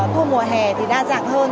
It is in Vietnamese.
tour mùa hè thì đa dạng hơn